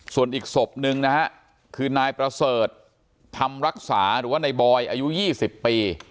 ส่วนอีกศพหนึ่งนะฮะคือนายประเสริฐธรรมรักษาหรือว่าในบอยอายุ๒๐ปี